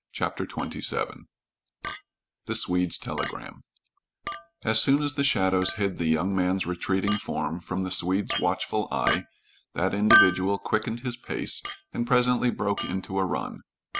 CHAPTER XXVII THE SWEDE'S TELEGRAM As soon as the shadows hid the young man's retreating form from the Swede's watchful eye, that individual quickened his pace and presently broke into a run.